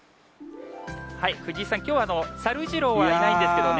藤井さん、きょうはさるジローはいないんですけれどもね。